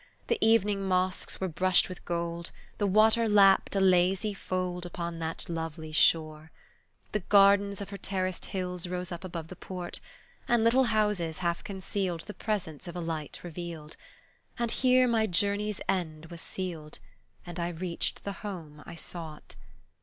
The evening mosques were brushed with gold, The water lapped a lazy fold Upon that lovely shore; The gardens of her terraced hills Rose up above the port, And little houses half concealed The presence of a light revealed, And here my journey's end was sealed, And I reached the home I sought.